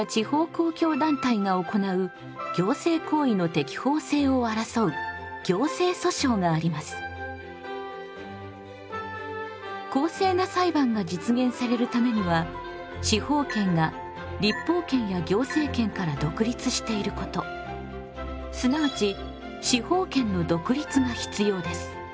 司法権を行使する訴訟すなわち裁判には公正な裁判が実現されるためには司法権が立法権や行政権から独立していることすなわち司法権の独立が必要です。